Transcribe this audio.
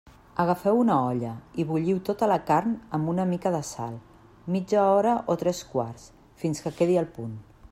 Agafeu una olla i bulliu tota la carn, amb una mica de sal, mitja hora o tres quarts fins que quedi al punt.